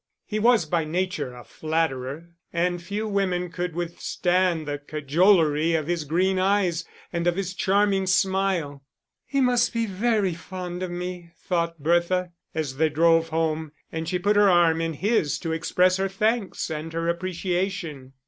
He was by nature a flatterer; and few women could withstand the cajolery of his green eyes, and of his charming smile. "He must be very fond of me," thought Bertha, as they drove home, and she put her arm in his to express her thanks and her appreciation.